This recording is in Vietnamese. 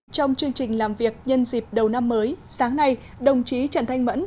trong chương trình làm việc nhân dịp đầu năm mới sáng nay đồng chí trần thanh mẫn